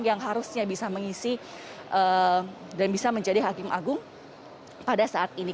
yang harusnya bisa mengisi dan bisa menjadi hakim agung pada saat ini